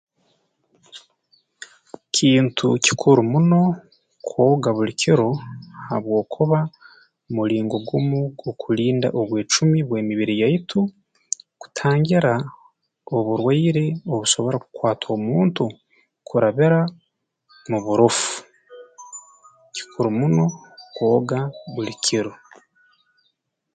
Kintu kikuru muno kwoga buli kiro habwokuba mulingo gumu gw'okulinda obwecumu bw'emibiri yaitu kutangira oburwaire obusobora kukwata omuntu kurabira mu burofu kikuru muno kwoga buli kiro